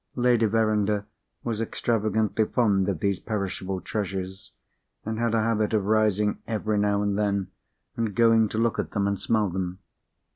Lady Verinder was extravagantly fond of these perishable treasures, and had a habit of rising every now and then, and going to look at them and smell them.